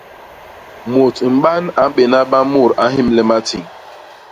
Mut mban a mbéna ba mut a nhémle matiñ.